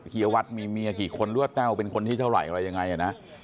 เฮียวัดมีเมียกี่คนหรือว่าแต้วเป็นคนที่เท่าไหร่อะไรยังไงนะ